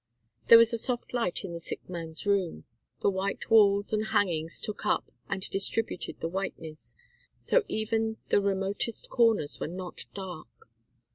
There was a soft light in the sick man's room. The white walls and hangings took up and distributed the whiteness, so that even the remotest corners were not dark.